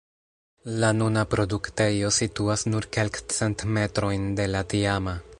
La nuna produktejo situas nur kelkcent metrojn de la tiama.